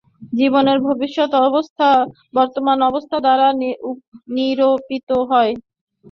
জীবনের ভবিষ্যৎ অবস্থা বর্তমান অবস্থা দ্বারা নিরূপিত হয়।